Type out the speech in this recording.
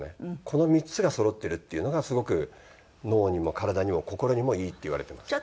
この３つがそろってるっていうのがすごく脳にも体にも心にもいいっていわれてます。